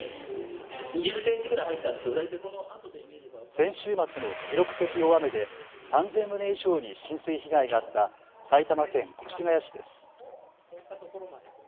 先週末の記録的大雨で３０００棟以上に浸水被害があった埼玉県越谷市です。